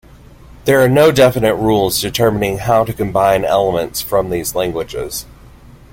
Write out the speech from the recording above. There are no definite rules determining how to combine elements from these languages.